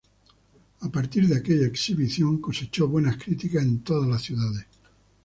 A partir de aquella exhibición cosechó buenas críticas en todas las ciudades.